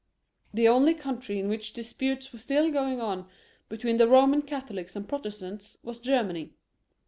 The only country in which disputes were still going on between the Eoman Catholics and Protestants was Germany.